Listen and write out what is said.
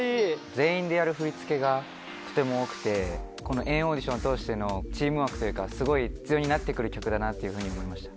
全員でやる振り付けがとても多くて、この＆ＡＵＤＩＴＩＯＮを通してのチームワークというか、すごい必要になってくる曲だなというふうに思いました。